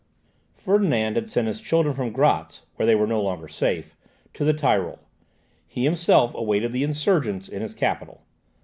Ferdinand had sent his children from Gratz, where they were no longer safe, to the Tyrol; he himself awaited the insurgents in his capital.